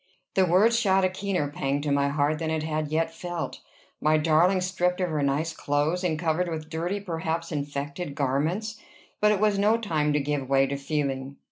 The words shot a keener pang to my heart than it had yet felt. My darling stripped of her nice clothes, and covered with dirty, perhaps infected garments. But it was no time to give way to feeling.